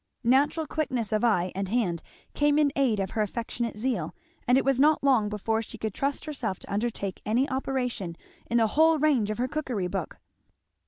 Natural quickness of eye and hand came in aid of her affectionate zeal, and it was not long before she could trust herself to undertake any operation in the whole range of her cookery book.